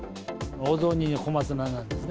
お雑煮に小松菜なんですね。